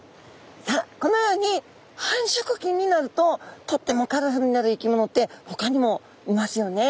さあこのように繁殖期になるととってもカラフルになる生き物ってほかにもいますよね。